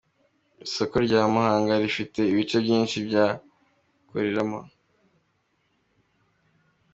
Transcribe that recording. Isoko rya Muhanga rifite ibice byinshi byo gukoreramo.